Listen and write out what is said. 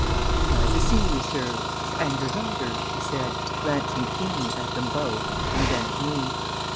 "Glad to see you, sir and your daughter," he said, glancing keenly at them both and then at me.